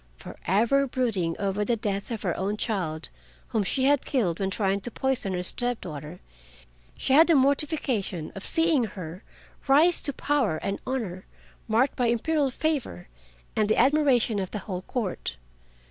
Forever brooding over the death of her own child whom she had killed when trying to poison her step daughter, she had the mortification of seeing her rise to power and honor, marked by Imperial favor and the admiration of the whole Court.